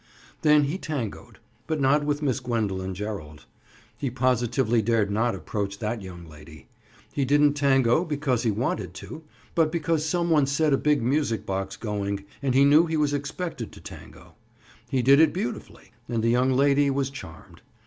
Then he tangoed, but not with Miss Gwendoline Gerald. He positively dared not approach that young lady. He didn't tango because he wanted to, but because some one set a big music box going and he knew he was expected to tango. He did it beautifully and the young lady was charmed.